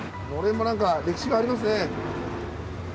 のれんもなんか歴史がありますね。